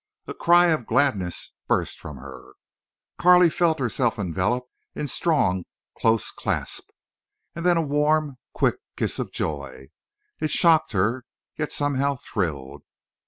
A cry of gladness burst from her. Carley felt herself enveloped in strong close clasp—and then a warm, quick kiss of joy. It shocked her, yet somehow thrilled.